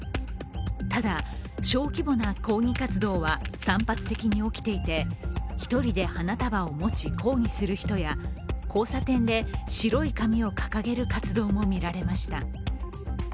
ただ、小規模な抗議活動は散発的に起きていて、１人で花束を持ち抗議する人や交差点で白い紙を掲げる活動も見られました。